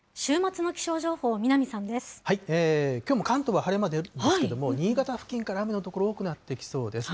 きょうも関東は晴れ間出るんですけれども、新潟付近から雨の所、多くなってきそうです。